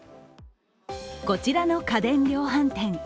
こちらの家電量販店。